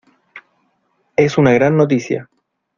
Es una gran noticia.